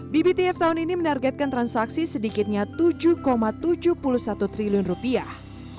bbtf tahun ini menargetkan transaksi sedikitnya tujuh tujuh puluh satu triliun rupiah